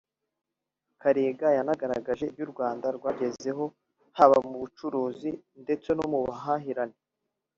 Karega yanagaragaje ibyo u Rwanda rwagezeho haba mu bucuruzi ndetse no mu buhahirane